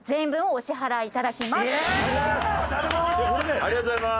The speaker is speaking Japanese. ありがとうございます。